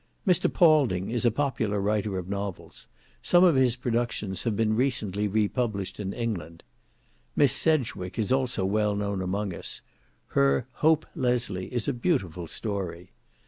Mr. Paulding is a popular writer of novels; some of his productions have been recently republished in England. Miss Sedgwick is also well known among us; her "Hope Leslie" is a beautiful story.